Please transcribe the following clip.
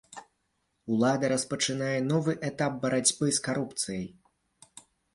Улада распачынае новы этап барацьбы з карупцыяй.